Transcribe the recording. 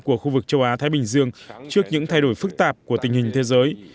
của khu vực châu á thái bình dương trước những thay đổi phức tạp của tình hình thế giới